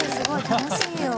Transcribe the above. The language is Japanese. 楽しいよ！